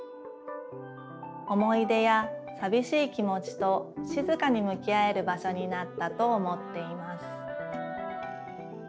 思い出やさびしい気もちとしずかにむき合えるばしょになったと思っています。